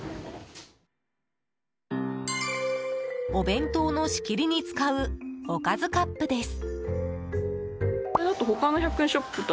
お弁当の仕切りに使うおかずカップです。